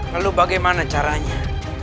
lalu bagaimana caranya